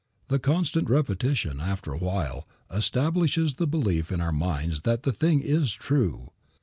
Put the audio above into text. The constant repetition, after a while, establishes the belief in our minds that the thing is true.